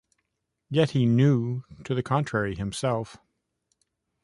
Yet he knew to the contrary himself.